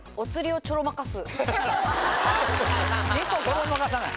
ちょろまかさない。